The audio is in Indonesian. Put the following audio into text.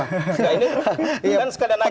nah ini dengan sekadar nanya kan